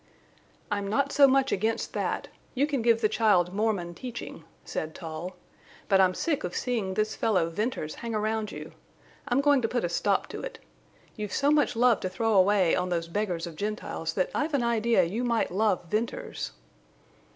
"I'm not so much against that. You can give the child Mormon teaching," said Tull. "But I'm sick of seeing this fellow Venters hang around you. I'm going to put a stop to it. You've so much love to throw away on these beggars of Gentiles that I've an idea you might love Venters."